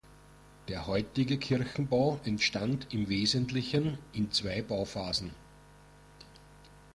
Der heutige Kirchenbau entstand im Wesentlichen in zwei Bauphasen.